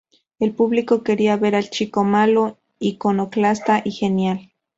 El público quería ver al chico malo, iconoclasta y genial.